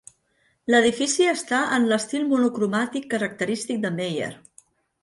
L'edifici està en l'estil monocromàtic característic de Meier.